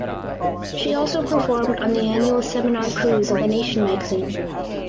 She also performed on the annual Seminar Cruise of "The Nation" magazine.